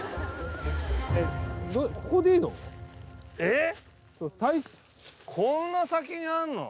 えっ！？